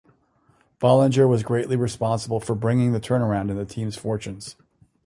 Bollinger was greatly responsible for bringing the turnaround in the team's fortunes.